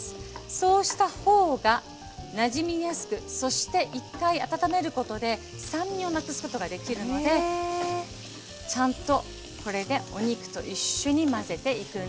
そうしたほうがなじみやすくそして一回温めることで酸味をなくすことができるのでちゃんとこれでお肉と一緒に混ぜていくんですって。